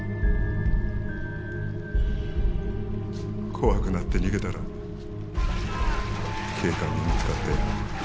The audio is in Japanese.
怖くなって逃げたら警官に見つかって。